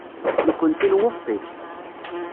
Nekkenti nwufeq-ik.